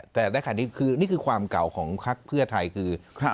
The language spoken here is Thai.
แต่นี่คือความเก่าของพรรคเพื่อไทยคือ